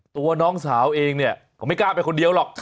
ตัวน้องสาวเองเนี่ยเขาไม่กล้าไปคนเดียวหรอก